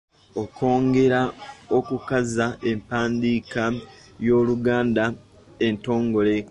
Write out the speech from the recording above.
Okwongera okukaza empandiika y’Oluganda entongole.